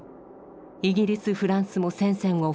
イギリスフランスも宣戦を布告。